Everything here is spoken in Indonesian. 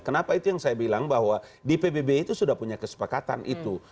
kenapa itu yang saya bilang bahwa di pbb itu sudah punya kesepakatan itu